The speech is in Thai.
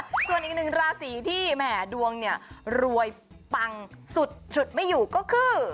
ส่วนอีกหนึ่งราศีที่แหม่ดวงเนี่ยรวยปังสุดฉุดไม่อยู่ก็คือ